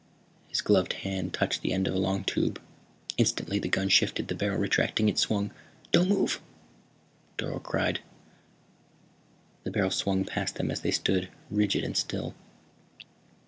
His gloved hand touched the end of a long tube. Instantly the gun shifted, the barrel retracting. It swung "Don't move!" Dorle cried. The barrel swung past them as they stood, rigid and still.